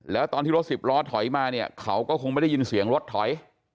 แล้วตอนที่รถสิบล้อถอยมาเนี่ยเขาก็คงไม่ได้ยินเสียงรถถอย